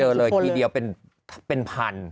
เลยทีเดียวเป็นพัน